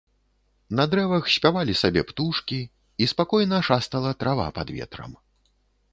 На дрэвах спявалі сабе птушкі, і спакойна шастала трава пад ветрам.